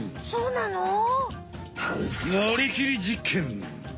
そうなの？